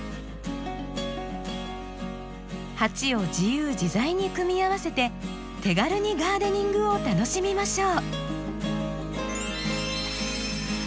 鉢を自由自在に組み合わせて手軽にガーデニングを楽しみましょう！